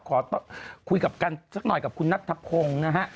ขอคุยกับกันสักหน่อยกับคุณนัทธพงศ์นะฮะ